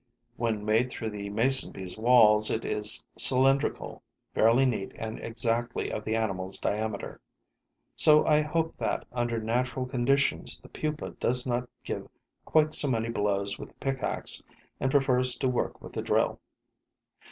When made through the mason bee's walls, it is cylindrical, fairly neat and exactly of the animal's diameter. So I hope that, under natural conditions, the pupa does not give quite so many blows with the pickaxe and prefers to work with the drill.